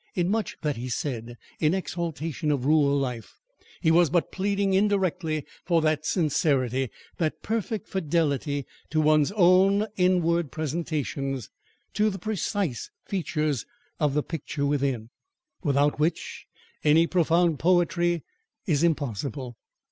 In much that he said in exaltation of rural life, he was but pleading indirectly for that sincerity, that perfect fidelity to one's own inward presentations, to the precise features of the picture within, without which any profound poetry is impossible.